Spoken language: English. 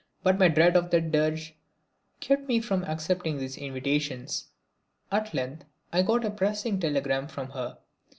But my dread of that dirge kept me from accepting these invitations. At length I got a pressing telegram from her.